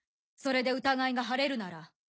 それで疑いが晴れるなら。